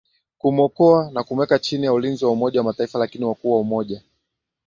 kumwokoa na kumweka chini ya ulinzi wa Umoja wa Mataifa lakini wakuu wa Umoja